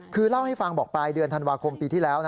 คือเล่าให้ฟังบอกปลายเดือนธันวาคมปีที่แล้ว